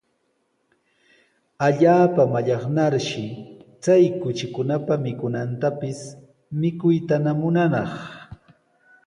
Allaapa mallaqnarshi chay kuchikunapa mikunantapis mikuytana munanaq.